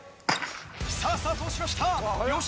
さぁスタートをしました両者